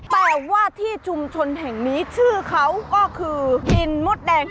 แต่ว่าที่ชุมชนแห่งนี้ชื่อเขาก็คือหินมดแดง